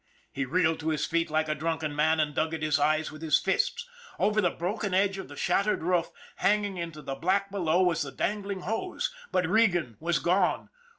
He reeled to his feet like a drunken man, and dug at his eyes with his fists. Over the broken edge of the shattered roof, hanging into the black below, was the dangling hose but Regan was gone.